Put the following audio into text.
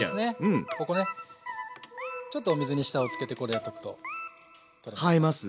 ここねちょっとお水に下をつけてこれ置いとくと。生えます？